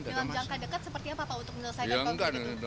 dengan jangka dekat sepertinya pak pak untuk menyelesaikan konflik itu